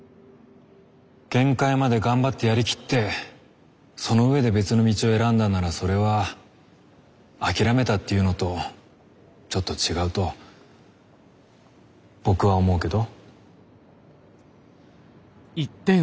限界まで頑張ってやりきってそのうえで別の道を選んだのならそれは「諦めた」っていうのとちょっと違うと僕は思うけど。